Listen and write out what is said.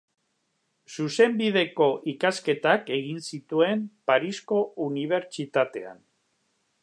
Zuzenbideko ikasketak egin zituen Parisko unibertsitatean.